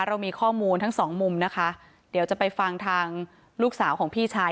เรามีข้อมูลทั้งสองมุมนะคะเดี๋ยวจะไปฟังทางลูกสาวของพี่ชาย